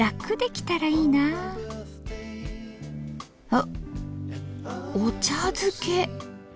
おっお茶づけ。